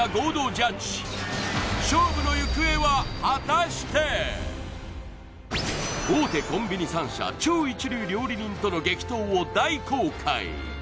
果たして大手コンビニ３社超一流料理人との激闘を大公開！